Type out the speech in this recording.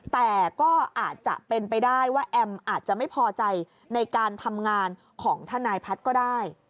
แต่ก็อาจจะเป็นไปได้ว่าแอมอาจจะไม่พอใจในการทำงานของทนายพัฒน์ก็ได้